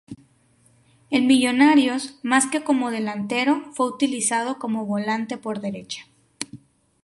En Millonarios, más que como delantero, fue utilizado como volante por derecha.